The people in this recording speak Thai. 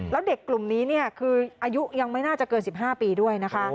แล้วเด็กกลุ่มนี้คืออายุยังไม่น่าจะเกิน๑๕ปีด้วยนะคะ